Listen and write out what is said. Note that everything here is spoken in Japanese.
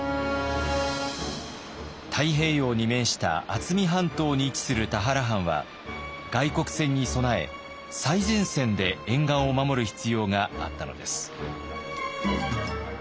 太平洋に面した渥美半島に位置する田原藩は外国船に備え最前線で沿岸を守る必要があったのです。